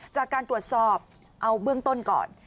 จากการตรวจสอบเอาเบื้องต้นก่อน